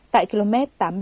tại km tám trăm ba mươi ba